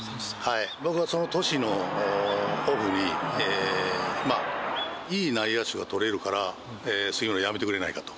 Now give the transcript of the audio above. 僕はその年のオフに、いい内野手が取れるから、杉村、辞めてくれないかと。